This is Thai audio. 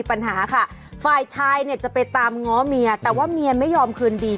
ปัญหาค่ะฝ่ายชายเนี่ยจะไปตามง้อเมียแต่ว่าเมียไม่ยอมคืนดี